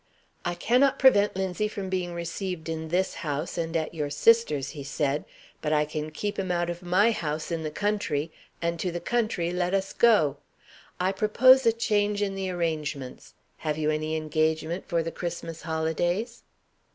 "I cannot prevent Linzie from being received in this house, and at your sister's," he said; "but I can keep him out of my house in the country, and to the country let us go. I propose a change in the arrangements. Have you any engagement for the Christmas holidays?"